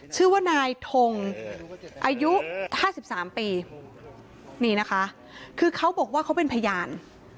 ชื่อว่านายทงอายุ๕๓ปีคือเขาบอกว่าเขาเป็นพยาน